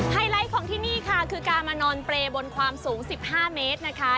ไลท์ของที่นี่ค่ะคือการมานอนเปรย์บนความสูง๑๕เมตรนะคะ